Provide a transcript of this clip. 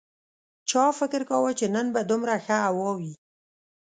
چا فکر کاوه چې نن به دومره ښه هوا وي